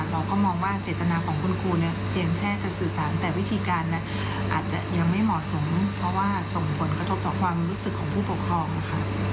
เราก็มองว่าเจตนาของคุณครูเนี่ยเตรียมแค่จะสื่อสารแต่วิธีการอาจจะยังไม่เหมาะสมเพราะว่าส่งผลกระทบต่อความรู้สึกของผู้ปกครองนะคะ